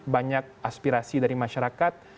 banyak aspirasi dari masyarakat